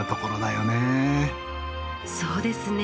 そうですね。